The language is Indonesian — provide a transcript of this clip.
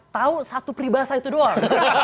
tahu satu pribahasa itu doang